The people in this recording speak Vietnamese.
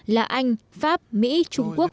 là anh pháp mỹ trung quốc